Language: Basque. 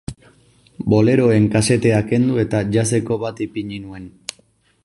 Boleroen kasetea kendu eta jazzeko bat ipini nuen.